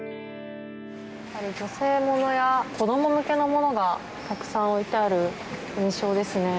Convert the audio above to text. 女性ものや子供向けのものがたくさん置いてある印象ですね。